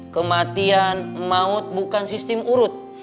kematian maut bukan sistem urut